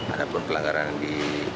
ada pun pelanggaran di